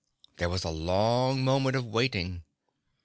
There was a long moment of waiting.